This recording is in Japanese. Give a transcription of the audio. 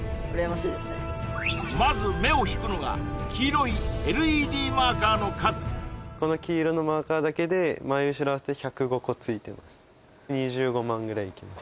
まず目を引くのが黄色いＬＥＤマーカーの数この黄色のマーカーだけで２５万ぐらいいきます